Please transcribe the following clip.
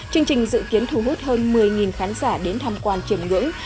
chương trình dự kiến thu hút hơn một mươi khán giả đến tham quan chiềm ngưỡng